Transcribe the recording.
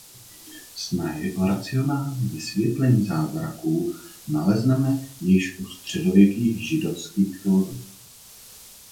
Snahy o racionální vysvětlení zázraků nalezneme již u středověkých židovských filosofů.